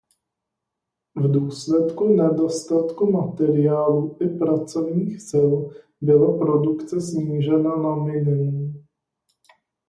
V důsledku nedostatku materiálu i pracovních sil byla produkce snížena na minimum.